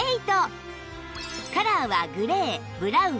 カラーはグレーブラウン